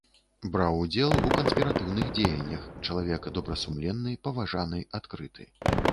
Браў удзел у канспіратыўных дзеяннях, чалавек добрасумленны, паважаны, адкрыты.